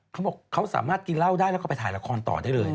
เขาบอกเขาสามารถกินเหล้าได้แล้วก็ไปถ่ายละครต่อได้เลย